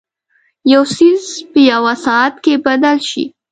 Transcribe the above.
یو څیز په یوه ساعت کې بدل شي.